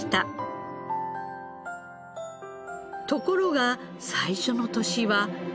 ところが最初の年は。